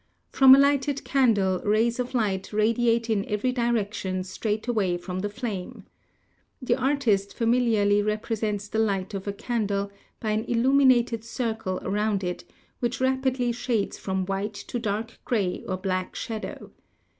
From a lighted candle rays of light radiate in every direction straight away from the flame. The artist familiarly represents the light of a candle by an illuminated circle around it, which rapidly shades from white to dark gray or black shadow.